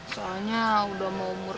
soalnya udah mau umur dua puluh enam